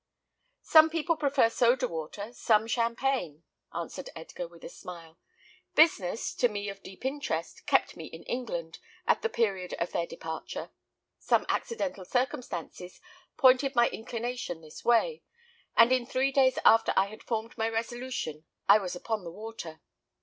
"Some people prefer soda water, some champagne," answered Edgar, with a smile. "Business, to me of deep interest, kept me in England, at the period of their departure; some accidental circumstances pointed my inclination this way; and in three days after I had formed my resolution I was upon the water.